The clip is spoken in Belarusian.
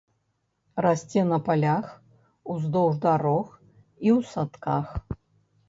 Расце на палях, уздоўж дарог і ў садках.